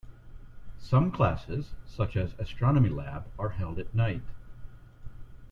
Some classes, such as astronomy lab, are held at night.